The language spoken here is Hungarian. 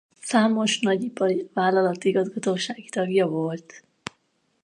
Számos nagy ipari vállalat igazgatósági tagja volt.